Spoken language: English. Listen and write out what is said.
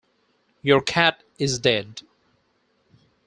Your Cat Is Dead.